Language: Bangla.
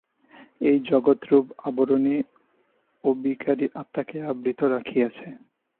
এই জগৎ-রূপ আবরণই অবিকারী আত্মাকে আবৃত রাখিয়াছে।